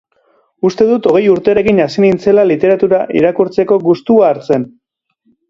Uste dut hogei urtekin hasi nintzela literatura irakurtzeko gustua hartzen.